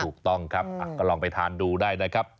ถูกต้องครับก็ลองไปทานดูได้นะครับ